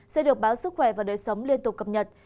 sẽ được báo sức khỏe và đời sống liên tục cập nhật